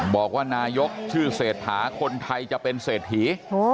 บอกว่านายกชื่อเศรษฐาคนไทยจะเป็นเศรษฐี